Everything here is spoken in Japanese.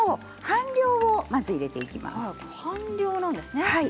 半量なんですね。